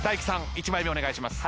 １枚目お願いします。